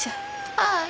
はい。